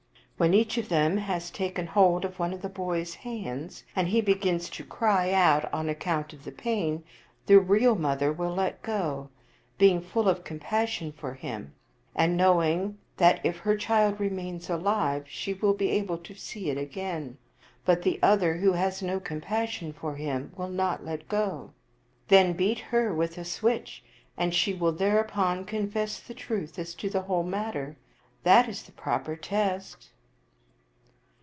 When each of them has taken hold of one of the boy's hands, and he begins to cry out on account 55 Oriental Mystery Stories of the pain, the real mother will let go, being full of com passion for him, and knowing that if her child remains alive she will be able to see it again ; but the other, who has no compassion for him, will not let go. Then beat her with a switch, and she will thereupon confess the truth as to th(* whole matter. That is the proper test."